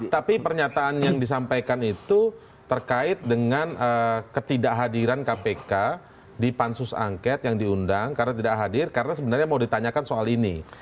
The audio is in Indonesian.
tapi pernyataan yang disampaikan itu terkait dengan ketidakhadiran kpk di pansus angket yang diundang karena tidak hadir karena sebenarnya mau ditanyakan soal ini